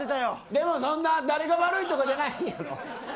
でも、そんな誰が悪いとかじゃないよ。